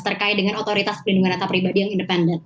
terkait dengan otoritas perlindungan data pribadi yang independen